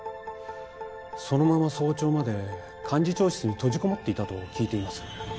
そのまま早朝まで幹事長室に閉じ籠もっていたと聞いています。